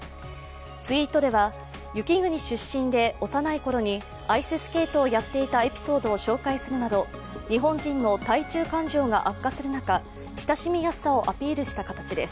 ツイートでは雪国出身で幼いころに、アイススケートをやっていたエピソードを紹介するなど日本人の対中感情が悪化する中、親しみやすさをアピールした形です。